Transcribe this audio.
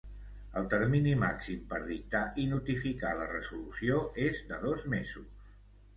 El termini màxim per dictar i notificar la resolució és de dos mesos.